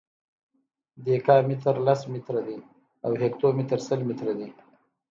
دیکا متر لس متره دی او هکتو متر سل متره دی.